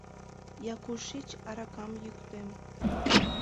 Якушич аракам йӱктем..